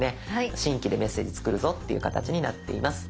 新規でメッセージ作るぞっていう形になっています。